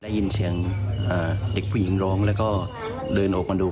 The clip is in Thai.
ได้ยินเสียงเด็กผู้หญิงร้องแล้วก็เดินออกมาดู